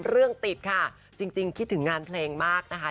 เรื่องติดค่ะจริงคิดถึงงานเพลงมากนะคะ